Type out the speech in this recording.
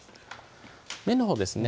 麺のほうですね